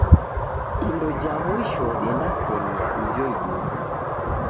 Indo ja mwisho dendaselia ijo iduka.